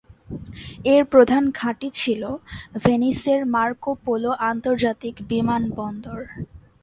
এর প্রধান ঘাঁটি ছিল ভেনিসের মার্কো পোলো আন্তর্জাতিক বিমানবন্দর।